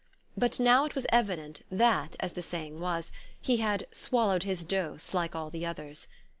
But now it was evident that, as the saying was, he had "swallowed his dose" like all the others.